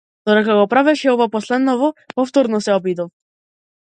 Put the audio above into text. Додека го правеше ова последново, повторно се обидов.